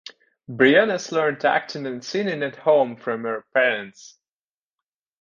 Briones learned acting and singing at home from her parents.